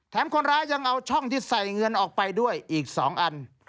คนร้ายยังเอาช่องที่ใส่เงินออกไปด้วยอีก๒อัน